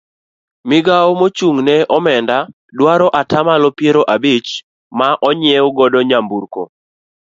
Migawo mochung' ne weche onenda dwaro atamalo piero abich ma onyiew godo nyamburko.